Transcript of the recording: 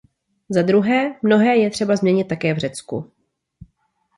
Zadruhé, mnohé je třeba změnit také v Řecku.